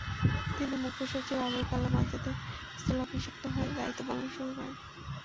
তিনি মুখ্য সচিব আবুল কালাম আজাদের স্থলাভিষিক্ত হয়ে দায়িত্ব পালন শুরু করেন।